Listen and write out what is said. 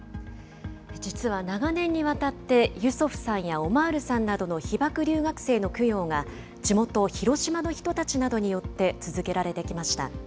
実は長年にわたって、ユソフさんやオマールさんらの被爆留学生の供養が地元、広島の人たちなどによって続けられてきました。